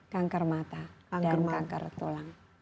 kanker mata dan kanker tulang